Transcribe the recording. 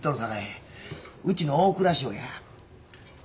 ウチの大蔵省や。